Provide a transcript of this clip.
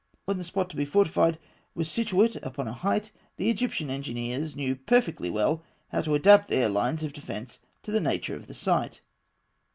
When the spot to be fortified was situate upon a height, the Egyptian engineers knew perfectly well how to adapt their lines of defence to the nature of the site.